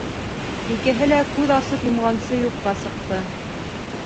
Икеһе лә күҙ асып йомғансы юҡҡа сыҡты.